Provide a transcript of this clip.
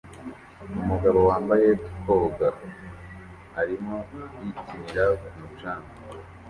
Umugabo wambaye koga arimo yikinira ku mucanga